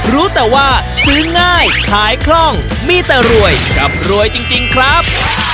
รู้แต่ว่าซื้อง่ายขายคล่องมีแต่รวยกับรวยจริงครับ